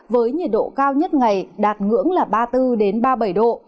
với nhiệt độ cao nhất ngày đạt ngưỡng là ba mươi bốn ba mươi bảy độ